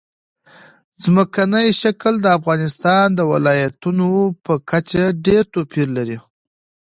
ځمکنی شکل د افغانستان د ولایاتو په کچه ډېر توپیر لري.